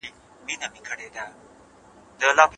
ما پرون یو سړی ولیدی چي په ایمان کي ډېر پیاوړی و.